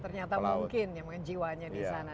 ternyata mungkin jiwanya di sana